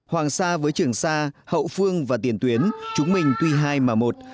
hoàng sa với trường sa hậu phương và tiền tuyến chúng mình tuy hai mà một